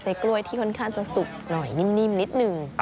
กล้วยที่ค่อนข้างจะสุกหน่อยนิ่มนิดนึง